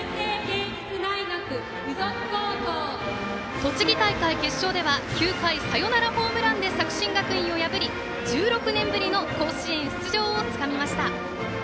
栃木大会決勝では９回サヨナラホームランで作新学院を破り１６年ぶりの甲子園出場をつかみました。